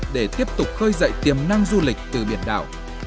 để tiếp tục khơi dậy tiềm năng du lịch từ biển đảo